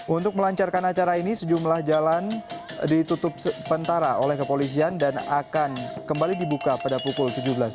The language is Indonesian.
untuk melancarkan acara ini sejumlah jalan ditutup pentara oleh kepolisian dan akan kembali dibuka pada pukul tujuh belas tiga puluh